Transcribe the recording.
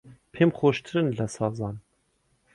پێم خۆشترن لە سازان